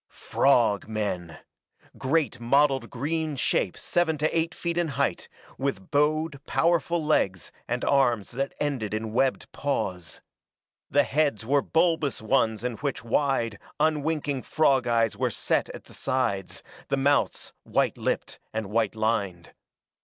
Frog men! Great mottled green shapes seven to eight feet in height, with bowed, powerful legs and arms that ended in webbed paws. The heads were bulbous ones in which wide, unwinking frog eyes were set at the sides, the mouths white lipped and white lined.